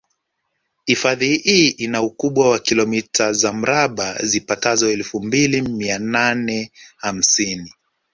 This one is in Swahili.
Hifadhi hii ina ukubwa wa kilometa za mraba zipatazo elfu mbili mia nane hamsini